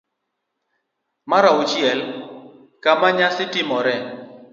mar auchiel. Kama nyasi timoree